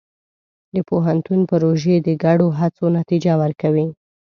د پوهنتون پروژې د ګډو هڅو نتیجه ورکوي.